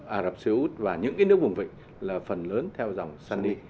ả rập xê út và những cái nước vùng vịnh là phần lớn theo dòng sunni